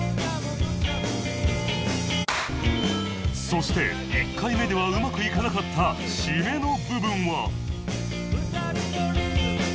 そして１回目ではうまくいかなかったフフフ。